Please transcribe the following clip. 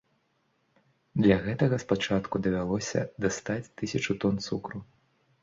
Для гэтага спачатку давялося дастаць тысячы тон цукру.